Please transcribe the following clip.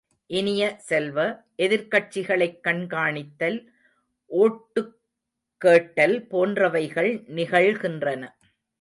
இனிய செல்வ, எதிர்கட்சிகளைக் கண்காணித்தல், ஓட்டுக் கேட்டல் போன்றவைகள் நிகழ்கின்றன.